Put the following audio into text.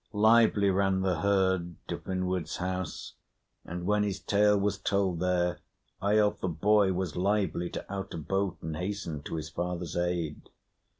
Lively ran the herd to Finnward's house; and when his tale was told there, Eyolf the boy was lively to out a boat and hasten to his father's aid.